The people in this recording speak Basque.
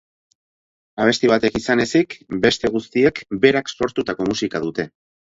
Abesti batek izan ezik, beste guztiek berak sortutako musika dute.